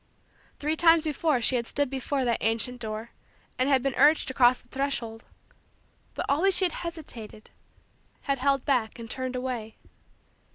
Three times before she had stood before that ancient door and had been urged to cross the threshold; but always she had hesitated, had held back, and turned away.